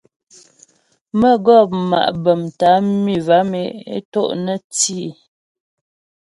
Mə́gɔp ma' bəm tə́ á mi vam e é to' nə́ tî.